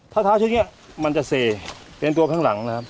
เท้าชุดนี้มันจะเซเป็นตัวข้างหลังนะครับ